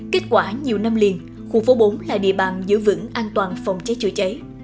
kết quả nhiều năm liền khu phố bốn là địa bàn giữ vững an toàn phòng cháy chữa cháy